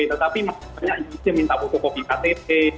tetapi masih banyak yang minta fotocopy ktp